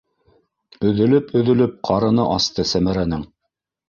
Өҙөлөп- өҙөлөп ҡарыны асты Сәмәрәнең.